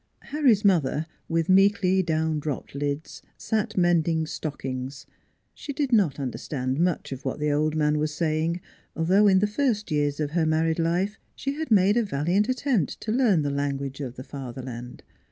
Harry's mother, with meekly down dropped lids, sat mend ing stockings. She did not understand much of what the old man was saying, though in the first years of her married life she had made a valiant attempt to learn the language of " the Father land."